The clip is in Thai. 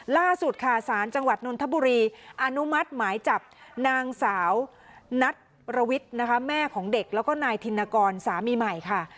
ล่าสุดค่ะสารจังหวัดนนทบุรีอนุมัติหมายจับนางสาวนัทรวิทย์นะคะแม่ของเด็กแล้วก็นายธินกรสามีใหม่ค่ะ